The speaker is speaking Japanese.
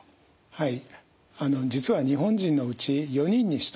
はい。